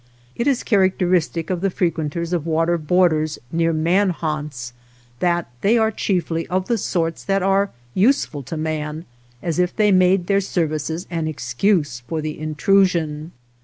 It is characteristic / of the frequenters of water borders near 'man haunts, that they are chiefly of the sorts that are useful to man, as if they made their services an excuse for the intrusion.